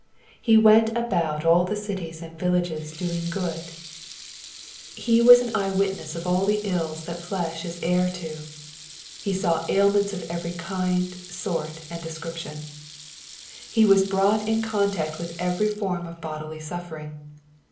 He " went about all the cities and villages" doing good. 9S BZPOsrroBT thoughts. He was an eye witness of all the ilk that flesh is heir to He saw ailments of every kind, sort, and description. He was brought in contact with every form of bodily suffering.